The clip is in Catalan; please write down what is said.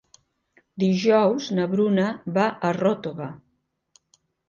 Dijous na Bruna va a Ròtova.